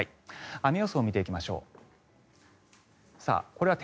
雨予想を見ていきましょう。